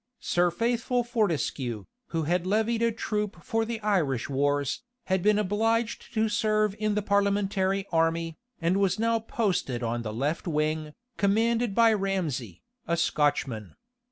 Sir Faithful Fortescue, who had levied a troop for the Irish wars, had been obliged to serve in the parliamentary army, and was now posted on the left wing, commanded by Ramsay, a Scotchman.